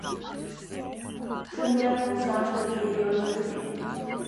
顺天府乡试第六十四名。